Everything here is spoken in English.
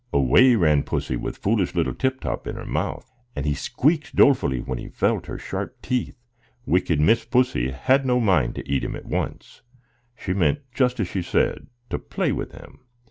Away ran Pussy with foolish little Tip Top in her mouth, and he squeaked dolefully when he felt her sharp teeth. Wicked Miss Pussy had no mind to eat him at once; she meant just as she said, to "play with him."